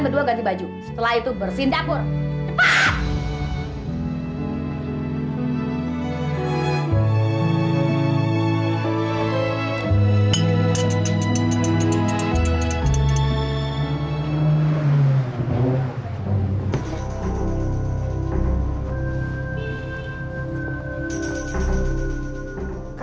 bukan begitu dong pak